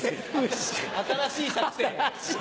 新しい作戦。